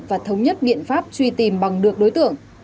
và thống nhất biện pháp truy tìm bằng được đối tượng